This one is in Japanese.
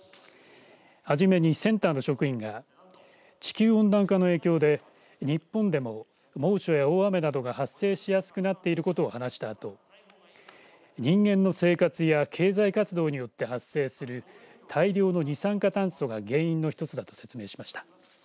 初めにセンターの職員が地球温暖化の影響で日本でも猛暑や大雨などが発生しやすくなっていることを話したあと人間の生活や経済活動によって発生する大量の二酸化炭素が原因の１つだと説明しました。